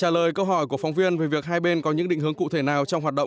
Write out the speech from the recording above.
trả lời câu hỏi của phóng viên về việc hai bên có những định hướng cụ thể nào